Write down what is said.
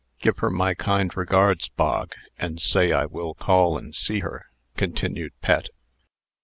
"Give her my kind regards, Bog, and say I will call and see her," continued Pet.